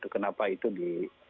kenapa itu di